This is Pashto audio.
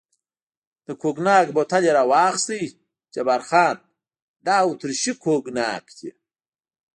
د کوګناک بوتل یې را واخیست، جبار خان: دا اتریشي کوګناک دی.